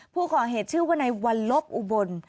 ผู้ก่อเหตุชื่อว่าในวันลบอุบล